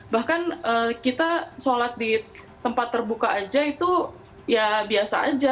bahkan kita sholat di tempat terbuka aja itu ya biasa aja